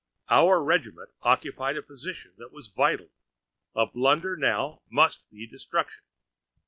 Our regiment occupied a position that was vital; a blunder now must be destruction.